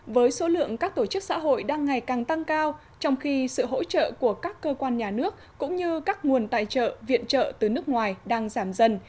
với số lượng các tổ chức xã hội đang ngày càng tăng cao trong khi sự hỗ trợ của các cơ quan nhà nước cũng như các nguồn tài trợ viện trợ từ nước ngoài đang giảm dần